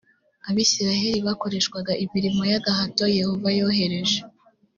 abisirayeli bakoreshwaga imirimo y agahato yehova yohereje